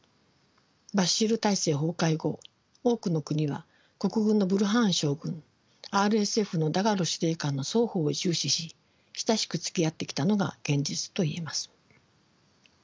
バシール体制崩壊後多くの国は国軍のブルハン将軍ＲＳＦのダガロ司令官の双方を重視し親しくつきあってきたのが現実と言えます。